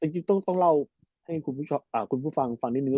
จริงต้องเล่าให้คุณผู้ฟังฟังนิดนึง